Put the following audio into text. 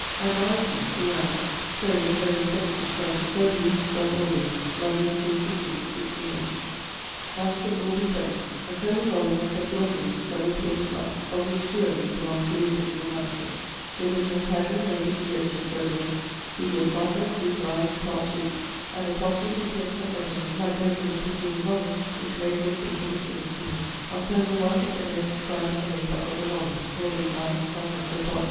advise me, who am, Sir, Your very affectionate friend to serve you, JOHN AUBREY. London, June 15, 1680.' =MS. Aubr. 7=: a folio volume of twenty one leaves (several pages blank), of which two only belong to the original MS. The original title may be conjectured to have been: 'Σχεδιάσματα. Brief Lives, part ii.,' and it possibly contained some letters, like those in the preceding volume, which made Wood think it was given to him. On fol. 1, is a note describing the make up of the volume: 'Aubrey's Lives: fragments of part ii.